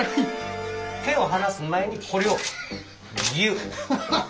手を離す前にこれをぎゅっ。